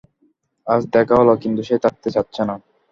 আজ দেখা হল, কিন্তু সে থাকতে চাচ্ছে না।